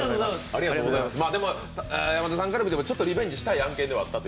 でも、山田さんからみたらちょっとリベンジしたい案件だったと。